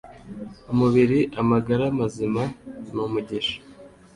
umubiri amagara mazima ni umugisha.